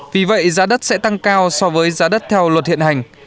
vì vậy giá đất sẽ tăng cao so với giá đất theo luật hiện hành